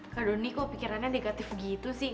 kak doni kok pikirannya negatif gitu sih